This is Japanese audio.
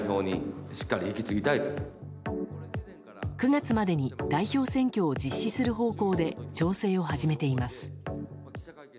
９月までに代表選挙を実施する方向で調整を始めています。